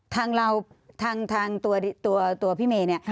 ทางเราทางตัวพี่เมย์เนี่ย